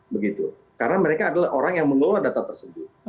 begitu karena mereka adalah orang yang mengelola data tersebut